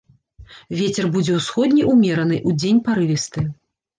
Вецер будзе ўсходні ўмераны, удзень парывісты.